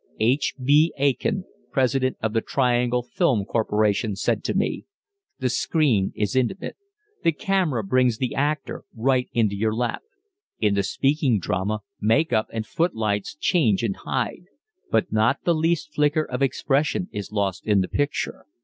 H.B. Aitken, president of the Triangle Film Corporation, said to me: "The screen is intimate. The camera brings the actor right into your lap. In the speaking drama, make up and footlights change and hide, but not the least flicker of expression is lost in the picture.